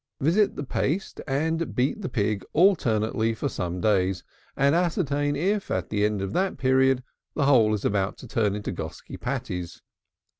Visit the paste and beat the pig alternately for some days, and ascertain if, at the end of that period, the whole is about to turn into Gosky Patties.